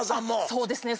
そうですね。